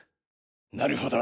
なるほど。